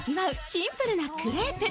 シンプルなクレープ。